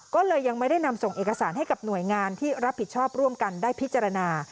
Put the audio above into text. ก็เลยยังไม่ได้นำส่งเอกสารให้กับหน่วยงานที่รับผิดชอบร่วมกันได้พิจารณา